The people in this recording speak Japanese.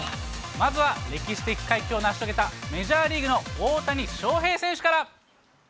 まずは歴史的快挙を成し遂げたメジャーリーグの大谷翔平選手から。